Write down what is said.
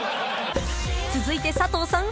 ［続いて佐藤さん